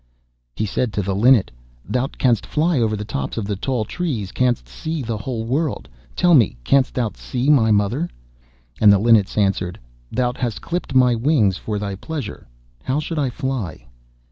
He said to the Linnet, 'Thou canst fly over the tops of the tall trees, and canst see the whole world. Tell me, canst thou see my mother?' And the Linnet answered, 'Thou hast clipt my wings for thy pleasure. How should I fly?